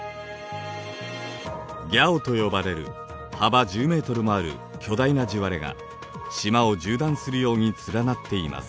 「ギャオ」と呼ばれる幅１０ｍもある巨大な地割れが島を縦断するように連なっています。